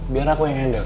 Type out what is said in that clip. biar aku yang handle